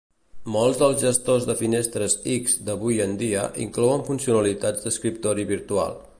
Molts dels gestors de finestres X d'avui en dia inclouen funcionalitats d'escriptori virtual.